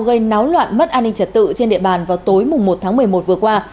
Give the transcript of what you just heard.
gây náo loạn mất an ninh trật tự trên địa bàn vào tối một tháng một mươi một vừa qua